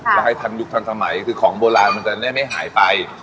แล้วให้ทันยุคทันสมัยคือของโบราณมันจะได้ไม่หายไป